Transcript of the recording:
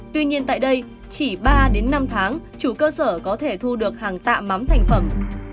tuy nhiên tại đây chỉ ba năm tháng chủ cơ sở có thể thu được hàng tạ mắm thành phẩm